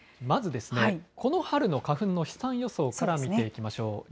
まずですね、この春の花粉の飛散予想から見ていきましょう。